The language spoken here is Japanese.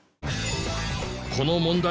この問題